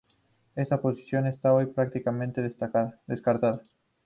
Esta posición está hoy prácticamente descartada.